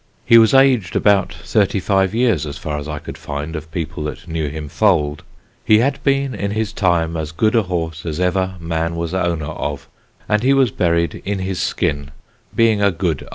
He was aged about thirty five years, as far as I could find of people that knew him foaled. He had been in his time as good a horse as ever man was owner of, and he was buried in his skin being a good old horse."